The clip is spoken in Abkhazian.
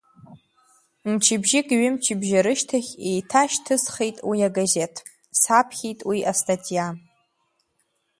Мчыбжьык, ҩымчыбжьа рышьҭахь еиҭашьҭысхит уи агазеҭ, саԥхьеит уи астатиа.